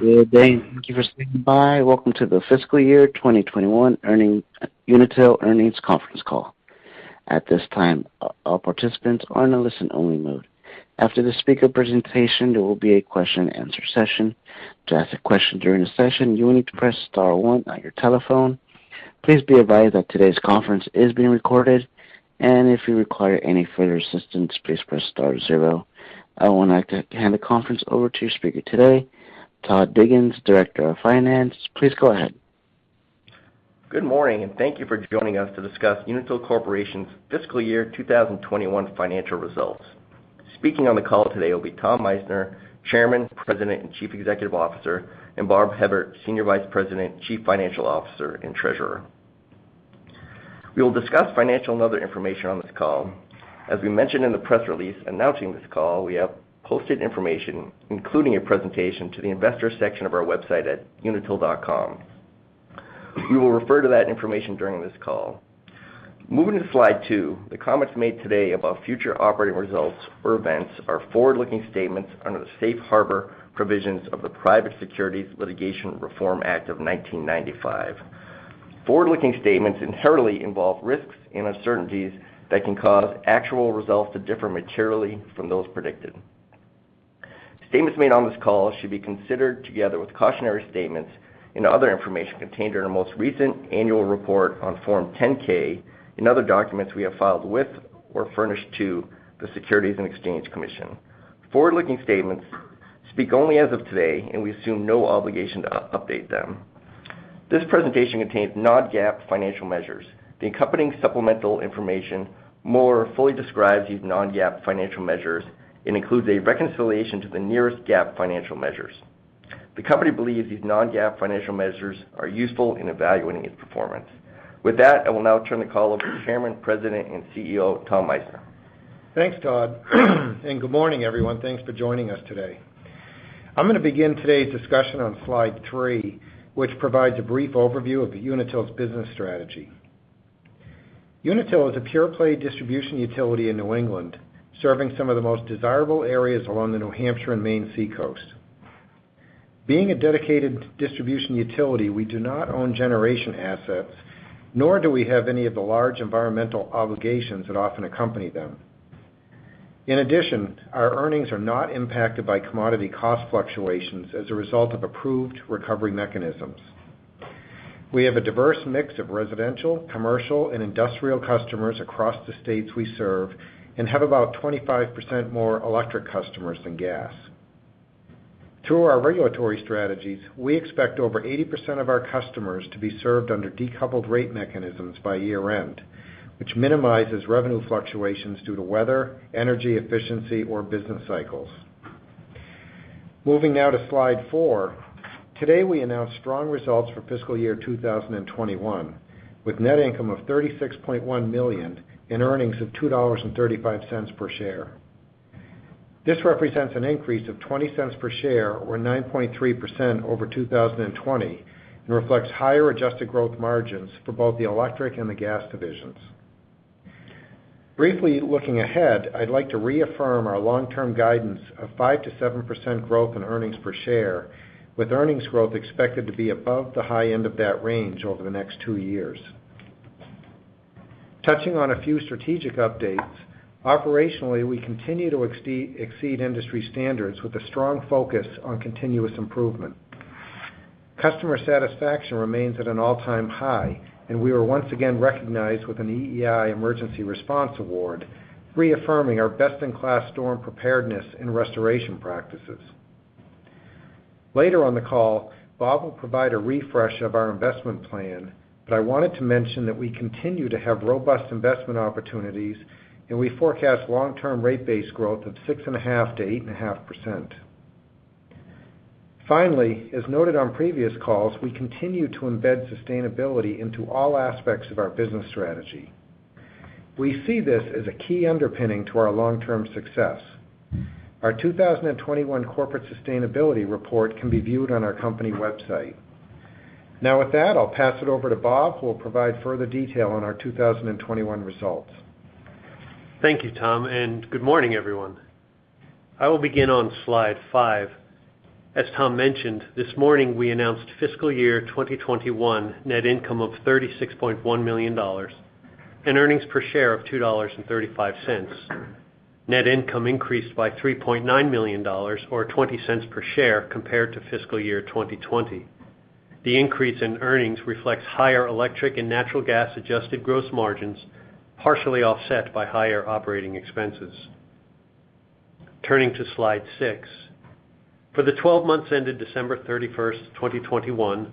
Good day. Thank you for standing by. Welcome to the fiscal year 2021 Unitil Earnings Conference Call. At this time, all participants are in a listen only mode. After the speaker presentation, there will be a question answer session. To ask a question during the session, you will need to press star one on your telephone. Please be advised that today's conference is being recorded, and if you require any further assistance, please press star zero. I would like to hand the conference over to your speaker today, Todd Diggins, Director of Finance. Please go ahead. Good morning, and thank you for joining us to discuss Unitil Corporation's fiscal year 2021 financial results. Speaking on the call today will be Tom Meissner, Chairman, President, and Chief Executive Officer, and Bob Hebert, Senior Vice President, Chief Financial Officer, and Treasurer. We will discuss financial and other information on this call. As we mentioned in the press release announcing this call, we have posted information, including a presentation to the investor section of our website at unitil.com. We will refer to that information during this call. Moving to slide two. The comments made today about future operating results or events are forward-looking statements under the safe harbor provisions of the Private Securities Litigation Reform Act of 1995. Forward-looking statements inherently involve risks and uncertainties that can cause actual results to differ materially from those predicted. Statements made on this call should be considered together with cautionary statements and other information contained in our most recent annual report on Form 10-K and other documents we have filed with or furnished to the Securities and Exchange Commission. Forward-looking statements speak only as of today, and we assume no obligation to update them. This presentation contains non-GAAP financial measures. The accompanying supplemental information more fully describes these non-GAAP financial measures and includes a reconciliation to the nearest GAAP financial measures. The company believes these non-GAAP financial measures are useful in evaluating its performance. With that, I will now turn the call over to Chairman, President, and CEO, Tom Meissner. Thanks, Todd, and good morning, everyone. Thanks for joining us today. I'm gonna begin today's discussion on slide three, which provides a brief overview of Unitil's busieess ss strategy. Unitil is a pure-play distribution utility in New England, serving some of the most desirable areas along the New Hampshire and Maine Seacoast. Being a dedicated distribution utility, we do not own generation assets, nor do we have any of the large environmental obligations that often accompany them. In addition, our earnings are not impacted by commodity cost fluctuations as a result of approved recovery mechanisms. We have a diverse mix of residential, commercial, and industrial customers across the states we serve and have about 25% more electric customers than gas. Through our regulatory strategies, we expect over 80% of our customers to be served under decoupled rate mechanisms by year-end, which minimizes revenue fluctuations due to weather, energy efficiency or business cycles. Moving now to slide four. Today, we announced strong results for fiscal year 2021, with net income of $36.1 million and earnings of $2.35 per share. This represents an increase of $0.20 per share or 9.3% over 2020 and reflects higher adjusted growth margins for both the electric and the gas divisions. Briefly looking ahead, I'd like to reaffirm our long-term guidance of 5%-7% growth in earnings per share, with earnings growth expected to be above the high end of that range over the next two years. Touching on a few strategic updates. Operationally, we continue to exceed industry standards with a strong focus on continuous improvement. Customer satisfaction remains at an all-time high, and we are once again recognized with an EEI Emergency Response Award, reaffirming our best-in-class storm preparedness and restoration practices. Later on the call, Bob will provide a refresh of our investment plan, but I wanted to mention that we continue to have robust investment opportunities, and we forecast long-term rate base growth of 6.5%-8.5%. Finally, as noted on previous calls, we continue to embed sustainability into all aspects of our business strategy. We see this as a key underpinning to our long-term success. Our 2021 corporate sustainability report can be viewed on our company website. Now, with that, I'll pass it over to Bob, who will provide further detail on our 2021 results. Thank you, Tom, and good morning, everyone. I will begin on slide 5. As Tom mentioned, this morning we announced fiscal year 2021 net income of $36.1 million and earnings per share of $2.35. Net income increased by $3.9 million or $0.20 per share compared to fiscal year 2020. The increase in earnings reflects higher electric and natural gas adjusted gross margins, partially offset by higher operating expenses. Turning to slide 6. For the 12 months ended December 31, 2021,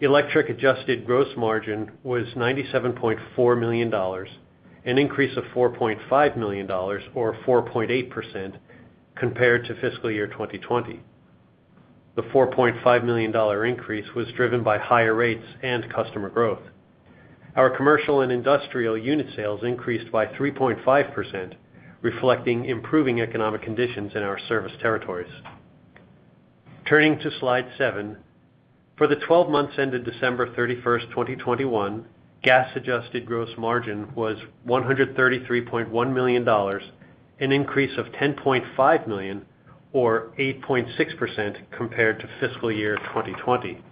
electric adjusted gross margin was $97.4 million, an increase of $4.5 million or 4.8% compared to fiscal year 2020. The $4.5 million increase was driven by higher rates and customer growth. Our commercial and industrial unit sales increased by 3.5%, reflecting improving economic conditions in our service territories. Turning to slide seven. For the 12 months ended December 31st, 2021, gas-adjusted gross margin was $133.1 million, an increase of $10.5 million or 8.6% compared to fiscal year 2020.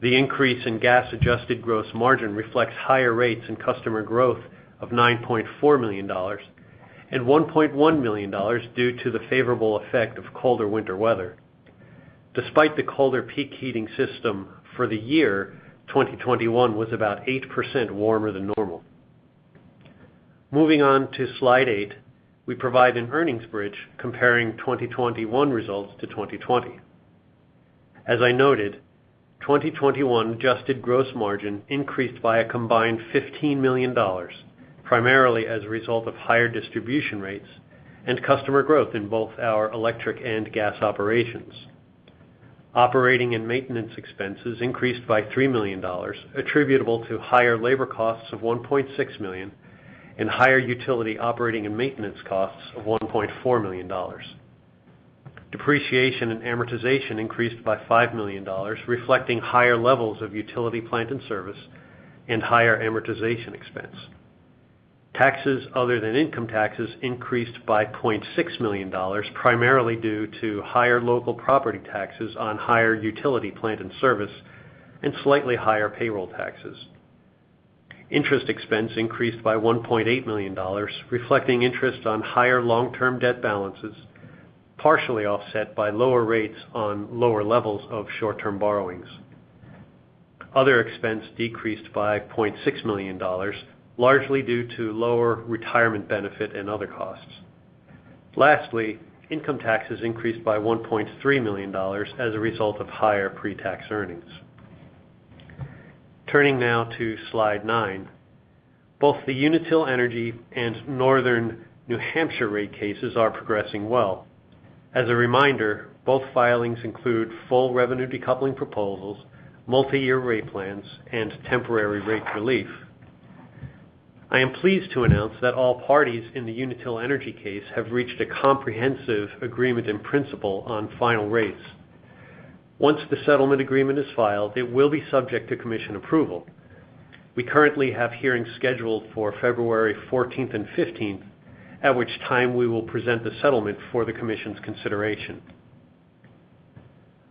The increase in gas-adjusted gross margin reflects higher rates and customer growth of $9.4 million and $1.1 million due to the favorable effect of colder winter weather. Despite the colder peak heating season for the year, 2021 was about 8% warmer than normal. Moving on to slide eight, we provide an earnings bridge comparing 2021 results to 2020. As I noted, 2021 adjusted gross margin increased by a combined $15 million, primarily as a result of higher distribution rates and customer growth in both our electric and gas operations. Operating and maintenance expenses increased by $3 million, attributable to higher labor costs of $1.6 million and higher utility operating and maintenance costs of $1.4 million. Depreciation and amortization increased by $5 million, reflecting higher levels of utility plant and service and higher amortization expense. Taxes other than income taxes increased by $0.6 million, primarily due to higher local property taxes on higher utility plant and service and slightly higher payroll taxes. Interest expense increased by $1.8 million, reflecting interest on higher long-term debt balances, partially offset by lower rates on lower levels of short-term borrowings. Other expense decreased by $0.6 million, largely due to lower retirement benefit and other costs. Lastly, income taxes increased by $1.3 million as a result of higher pre-tax earnings. Turning now to slide nine. Both the Unitil Energy and Northern New Hampshire rate cases are progressing well. As a reminder, both filings include full revenue decoupling proposals, multi-year rate plans, and temporary rate relief. I am pleased to announce that all parties in the Unitil Energy case have reached a comprehensive agreement in principle on final rates. Once the settlement agreement is filed, it will be subject to Commission approval. We currently have hearings scheduled for February fourteenth and fifteenth, at which time we will present the settlement for the Commission's consideration.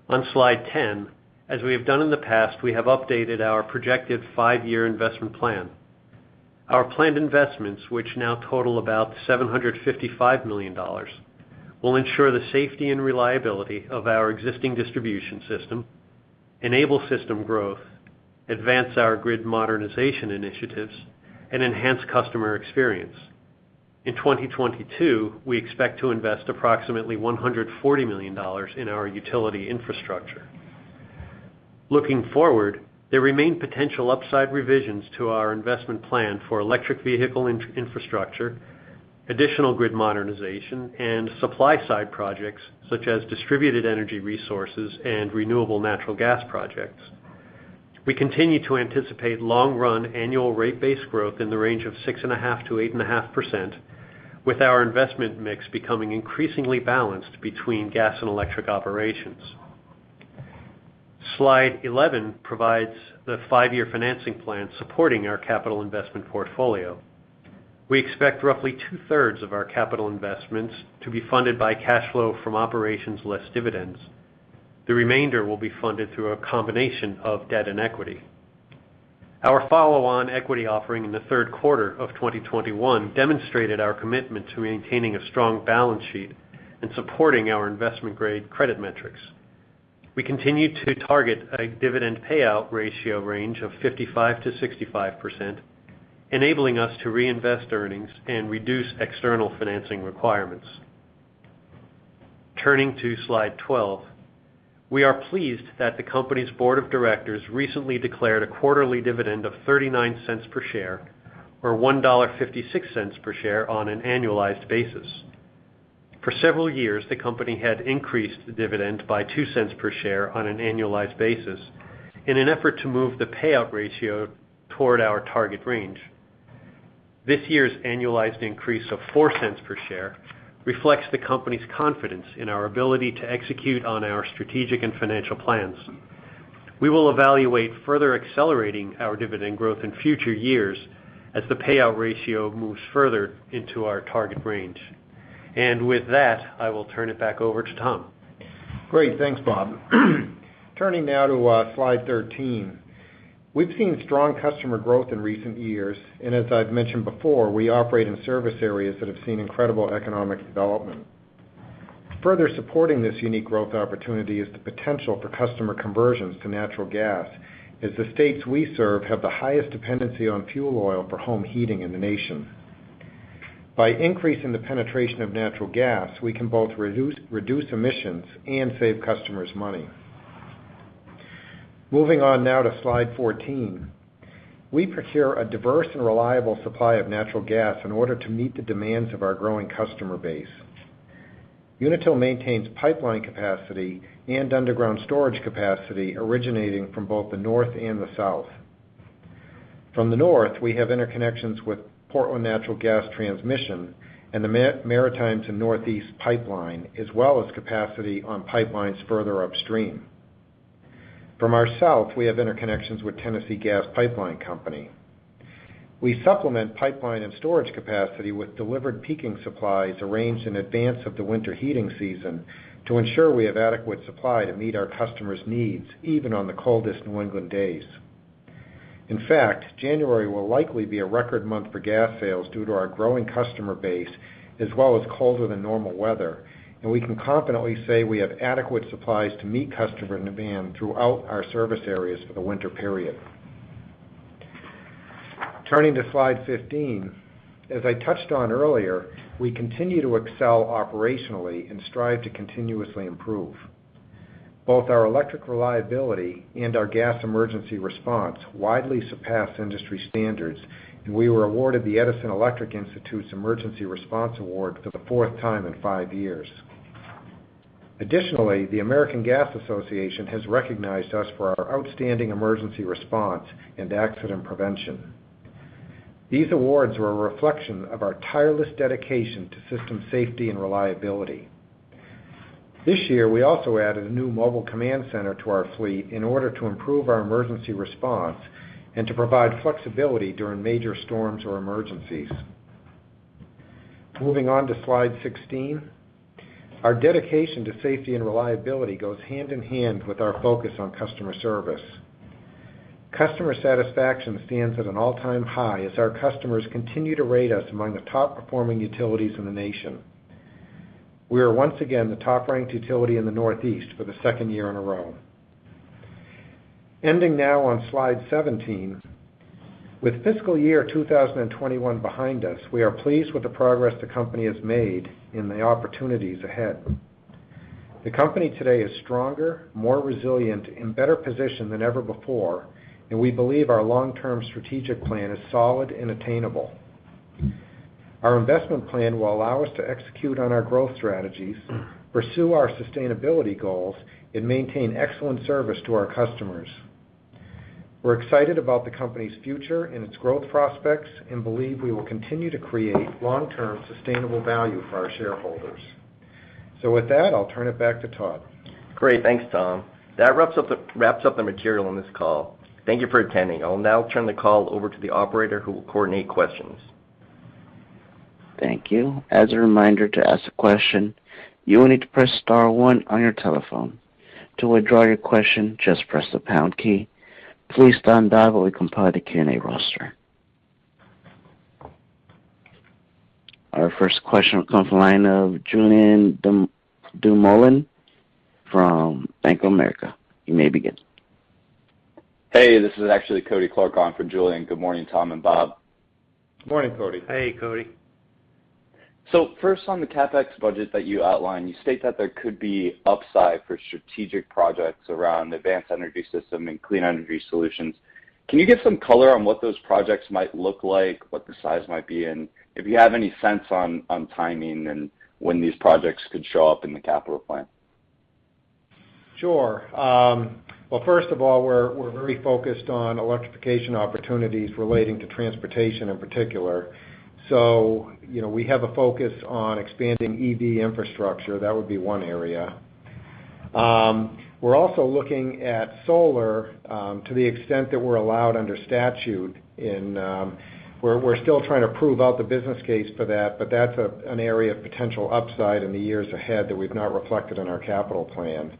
On slide 10, as we have done in the past, we have updated our projected five-year investment plan. Our planned investments, which now total about $755 million, will ensure the safety and reliability of our existing distribution system, enable system growth, advance our grid modernization initiatives, and enhance customer experience. In 2022, we expect to invest approximately $140 million in our utility infrastructure. Looking forward, there remain potential upside revisions to our investment plan for electric vehicle infrastructure, additional grid modernization, and supply-side projects such as distributed energy resources and renewable natural gas projects. We continue to anticipate long-run annual rate base growth in the range of 6.5%-8.5%, with our investment mix becoming increasingly balanced between gas and electric operations. Slide 11 provides the five-year financing plan supporting our capital investment portfolio. We expect roughly two-thirds of our capital investments to be funded by cash flow from operations less dividends. The remainder will be funded through a combination of debt and equity. Our follow-on equity offering in the third quarter of 2021 demonstrated our commitment to maintaining a strong balance sheet and supporting our investment-grade credit metrics. We continue to target a dividend payout ratio range of 55%-65%, enabling us to reinvest earnings and reduce external financing requirements. Turning to slide 12. We are pleased that the company's board of directors recently declared a quarterly dividend of $0.39 per share, or $1.56 per share on an annualized basis. For several years, the company had increased the dividend by $0.02 per share on an annualized basis in an effort to move the payout ratio toward our target range. This year's annualized increase of $0.04 per share reflects the company's confidence in our ability to execute on our strategic and financial plans. We will evaluate further accelerating our dividend growth in future years as the payout ratio moves further into our target range. With that, I will turn it back over to Tom. Great. Thanks, Bob. Turning now to slide 13. We've seen strong customer growth in recent years, and as I've mentioned before, we operate in service areas that have seen incredible economic development. Further supporting this unique growth opportunity is the potential for customer conversions to natural gas, as the states we serve have the highest dependency on fuel oil for home heating in the nation. By increasing the penetration of natural gas, we can both reduce emissions and save customers money. Moving on now to slide 14. We procure a diverse and reliable supply of natural gas in order to meet the demands of our growing customer base. Unitil maintains pipeline capacity and underground storage capacity originating from both the North and the South. From the north, we have interconnections with Portland Natural Gas Transmission and the Maritimes & Northeast Pipeline, as well as capacity on pipelines further upstream. From our south, we have interconnections with Tennessee Gas Pipeline Company. We supplement pipeline and storage capacity with delivered peaking supplies arranged in advance of the winter heating season to ensure we have adequate supply to meet our customers' needs, even on the coldest New England days. In fact, January will likely be a record month for gas sales due to our growing customer base as well as colder than normal weather, and we can confidently say we have adequate supplies to meet customer demand throughout our service areas for the winter period. Turning to slide 15. As I touched on earlier, we continue to excel operationally and strive to continuously improve. Both our electric reliability and our gas emergency response widely surpass industry standards, and we were awarded the Edison Electric Institute's Emergency Response Award for the fourth time in five years. Additionally, the American Gas Association has recognized us for our outstanding emergency response and accident prevention. These awards were a reflection of our tireless dedication to system safety and reliability. This year, we also added a new mobile command center to our fleet in order to improve our emergency response and to provide flexibility during major storms or emergencies. Moving on to slide 16. Our dedication to safety and reliability goes hand in hand with our focus on customer service. Customer satisfaction stands at an all-time high as our customers continue to rate us among the top-performing utilities in the nation. We are once again the top-ranked utility in the Northeast for the second year in a row. Ending now on slide 17. With fiscal year 2021 behind us, we are pleased with the progress the company has made and the opportunities ahead. The company today is stronger, more resilient, and better positioned than ever before, and we believe our long-term strategic plan is solid and attainable. Our investment plan will allow us to execute on our growth strategies, pursue our sustainability goals, and maintain excellent service to our customers. We're excited about the company's future and its growth prospects and believe we will continue to create long-term sustainable value for our shareholders. With that, I'll turn it back to Todd. Great. Thanks, Tom. That wraps up the material on this call. Thank you for attending. I'll now turn the call over to the operator, who will coordinate questions. Thank you. As a reminder, to ask a question, you will need to press star one on your telephone. To withdraw your question, just press the pound key. Please stand by while we compile the Q&A roster. Our first question comes from the line of Julien Dumoulin-Smith from Bank of America. You may begin. Hey, this is actually Cory Clark on for Julien. Good morning, Tom and Bob. Good morning, Cory. Hey, Cory. First, on the CapEx budget that you outlined, you state that there could be upside for strategic projects around advanced energy system and clean energy solutions. Can you give some color on what those projects might look like, what the size might be, and if you have any sense on timing and when these projects could show up in the capital plan? Sure. Well, first of all, we're very focused on electrification opportunities relating to transportation in particular. You know, we have a focus on expanding EV infrastructure. That would be one area. We're also looking at solar, to the extent that we're allowed under statute in. We're still trying to prove out the business case for that, but that's an area of potential upside in the years ahead that we've not reflected in our capital plan.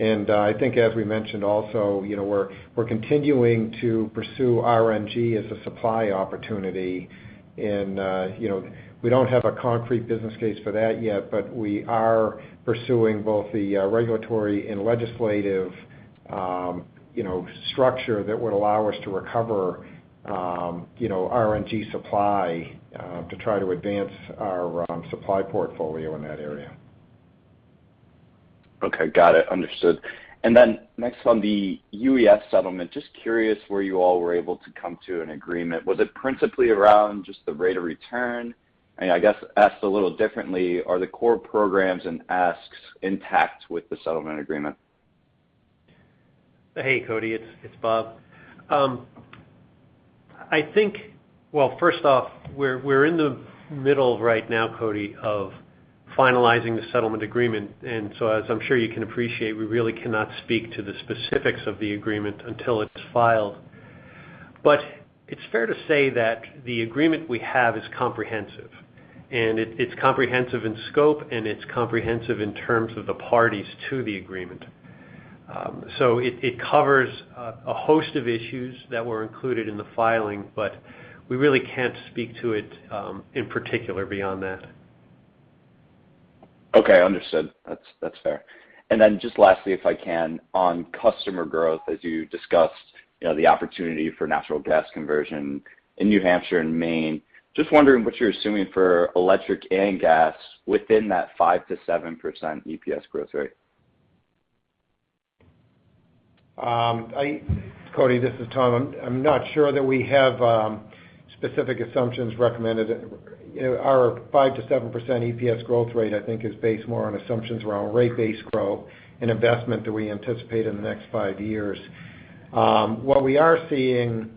I think as we mentioned also, you know, we're continuing to pursue RNG as a supply opportunity. you know, we don't have a concrete business case for that yet, but we are pursuing both the regulatory and legislative you know, structure that would allow us to recover you know, RNG supply to try to advance our supply portfolio in that area. Okay. Got it. Understood. Next on the UES settlement, just curious where you all were able to come to an agreement. Was it principally around just the rate of return? I guess, asked a little differently, are the core programs and asks intact with the settlement agreement? Hey, Cory. It's Bob. Well, first off, we're in the middle right now, Cory, of finalizing the settlement agreement. As I'm sure you can appreciate, we really cannot speak to the specifics of the agreement until it's filed. It's fair to say that the agreement we have is comprehensive, and it's comprehensive in scope, and it's comprehensive in terms of the parties to the agreement. It covers a host of issues that were included in the filing, but we really can't speak to it in particular beyond that. Okay. Understood. That's fair. Then just lastly, if I can, on customer growth, as you discussed, you know, the opportunity for natural gas conversion in New Hampshire and Maine, just wondering what you're assuming for electric and gas within that 5%-7% EPS growth rate. Cory, this is Tom. I'm not sure that we have specific assumptions recommended. You know, our 5%-7% EPS growth rate, I think is based more on assumptions around rate-based growth and investment that we anticipate in the next five years. What we are seeing,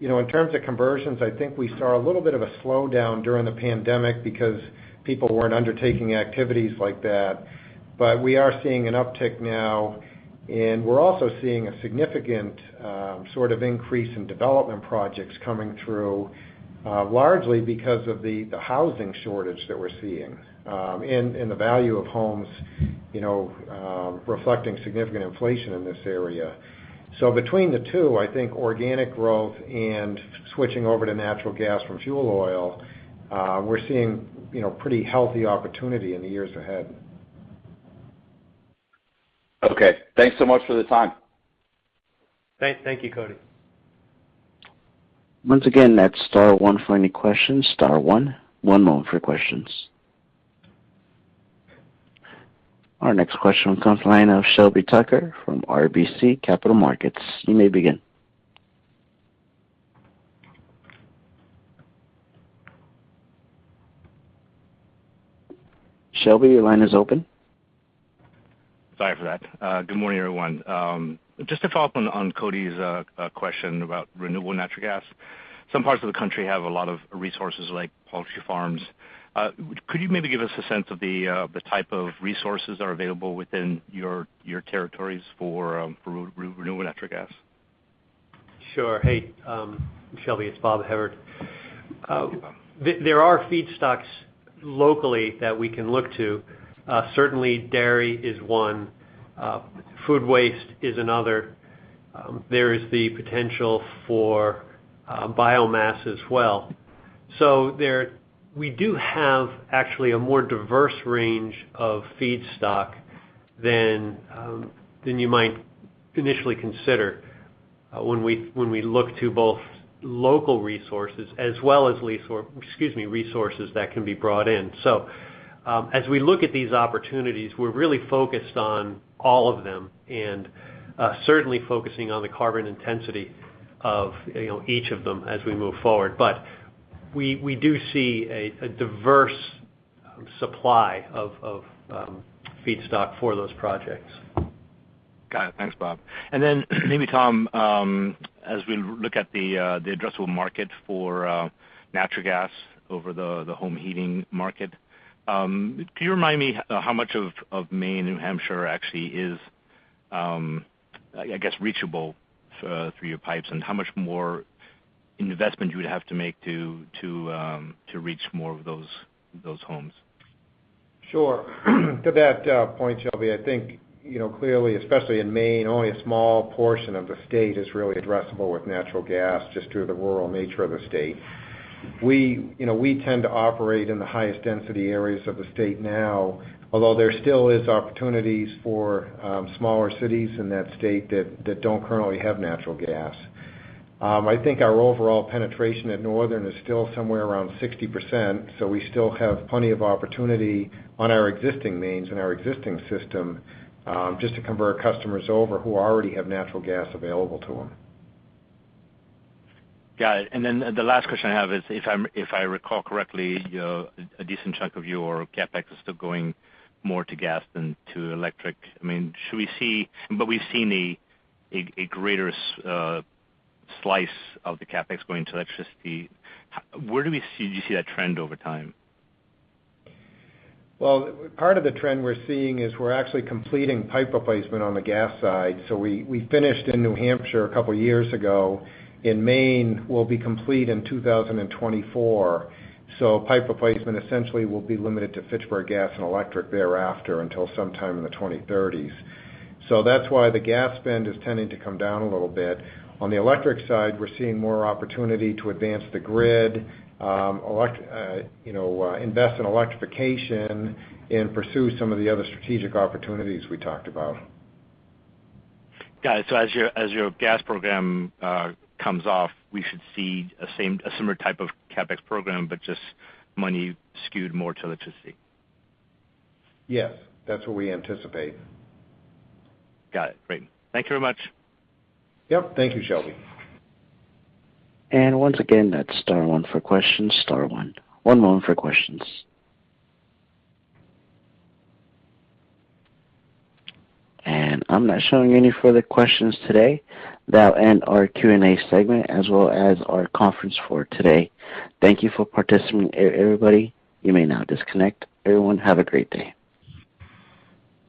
you know, in terms of conversions, I think we saw a little bit of a slowdown during the pandemic because people weren't undertaking activities like that. We are seeing an uptick now, and we're also seeing a significant sort of increase in development projects coming through, largely because of the housing shortage that we're seeing in the value of homes, you know, reflecting significant inflation in this area. Between the two, I think organic growth and switching over to natural gas from fuel oil, we're seeing, you know, pretty healthy opportunity in the years ahead. Okay. Thanks so much for the time. Thank you, Cory. Once again, that's star one for any questions. Star one. One moment for questions. Our next question comes from the line of Shelby Tucker from RBC Capital Markets. You may begin. Shelby, your line is open. Sorry for that. Good morning, everyone. Just to follow up on Cory's question about renewable natural gas. Some parts of the country have a lot of resources like poultry farms. Could you maybe give us a sense of the type of resources that are available within your territories for renewable natural gas? Sure. Hey, Shelby, it's Bob Hebert. There are feedstocks locally that we can look to. Certainly dairy is one. Food waste is another. There is the potential for biomass as well. There we do have actually a more diverse range of feedstock than you might initially consider when we look to both local resources as well as resources that can be brought in. As we look at these opportunities, we're really focused on all of them and certainly focusing on the carbon intensity of, you know, each of them as we move forward. We do see a diverse supply of feedstock for those projects. Got it. Thanks, Bob. Maybe Tom, as we look at the addressable market for natural gas over the home heating market, can you remind me how much of Maine and New Hampshire actually is, I guess, reachable through your pipes, and how much more investment you would have to make to reach more of those homes? Sure. To that point, Shelby, I think, you know, clearly, especially in Maine, only a small portion of the state is really addressable with natural gas just due to the rural nature of the state. We, you know, we tend to operate in the highest density areas of the state now, although there still is opportunities for smaller cities in that state that don't currently have natural gas. I think our overall penetration at Northern is still somewhere around 60%, so we still have plenty of opportunity on our existing mains and our existing system, just to convert customers over who already have natural gas available to them. Got it. The last question I have is, if I recall correctly, a decent chunk of your CapEx is still going more to gas than to electric. I mean, should we see? We've seen a greater slice of the CapEx going to electricity. Where do you see that trend over time? Well, part of the trend we're seeing is we're actually completing pipe replacement on the gas side. We finished in New Hampshire a couple of years ago. In Maine, we'll be complete in 2024. Pipe replacement essentially will be limited to Fitchburg Gas and Electric thereafter until sometime in the 2030s. That's why the gas spend is tending to come down a little bit. On the electric side, we're seeing more opportunity to advance the grid, you know, invest in electrification and pursue some of the other strategic opportunities we talked about. Got it. As your gas program comes off, we should see a similar type of CapEx program, but just money skewed more to electricity. Yes. That's what we anticipate. Got it. Great. Thank you very much. Yep. Thank you, Shelby. Once again, that's star one for questions. Star one. One moment for questions. I'm not showing any further questions today. That will end our Q&A segment as well as our conference for today. Thank you for participating, everybody. You may now disconnect. Everyone, have a great day.